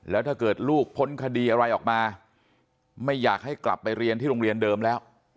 แล้วถ้าเกิดลูกพ้นคดีอะไรออกมาไม่อยากให้กลับไปเรียนที่โรงเรียนเดิมแล้ว